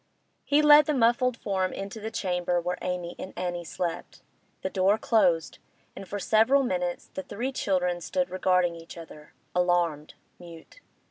He led the muffled form into the chamber where Amy and Annie slept. The door closed, and for several minutes the three children stood regarding each other, alarmed, mute.